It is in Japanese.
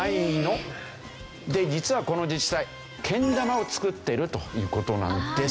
で実はこの自治体けん玉を作ってるという事なんですよ。